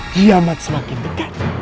kiamat semakin dekat